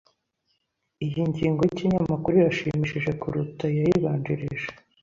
Iyi ngingo yikinyamakuru irashimishije kuruta iyayibanjirije. (GeeZ)